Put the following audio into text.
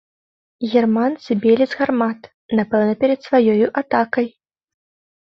Германцы білі з гармат, напэўна, перад сваёю атакай.